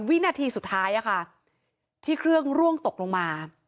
วินาทีสุดท้ายที่เครื่องร่วงตกลงมา